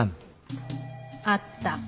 あった。